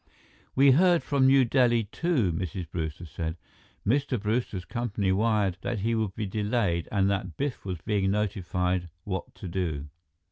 "We heard from New Delhi, too," Mrs. Brewster said. "Mr. Brewster's company wired that he would be delayed and that Biff was being notified what to do."